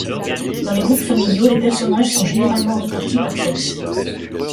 Dans les groupes familiaux, les personnages sont généralement répartis par sexe.